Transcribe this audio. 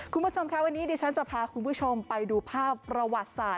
คุณผู้ชมค่ะวันนี้ดิฉันจะพาคุณผู้ชมไปดูภาพประวัติศาสต